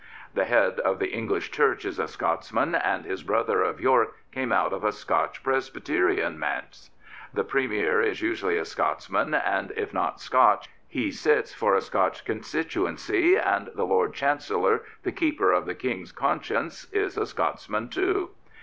The head of the English Church is a Scotsman, and his brother of York came out of a Scotch Presby terian manse. The Premier is usually a Scotsman and, if not Scotch, he sits for a Scotch constituency, and the Lord Chancellor, the keeper of the King's conscience, is a Scotsman too.